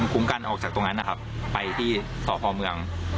คุ้มกันออกจากตรงนั้นไปที่สภเมือง